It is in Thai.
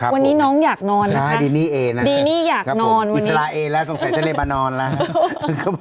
วันนี้น้องอยากนอนนะคะดีนี่อยากนอนวันนี้อิสระเอละสงสัยจะเรบานอนแล้วครับ